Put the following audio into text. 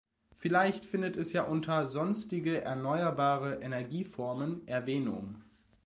Vielleicht findet es ja unter "sonstige erneuerbare Energieformen" Erwähnung.